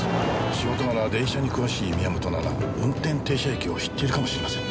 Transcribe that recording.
仕事柄電車に詳しい宮本なら運転停車駅を知っているかもしれませんね。